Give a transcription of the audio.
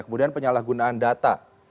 kemudian penyalahgunaan data